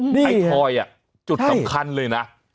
ให้ทอยย์อ่ะจุดสำคัญเลยน่ะเห้ย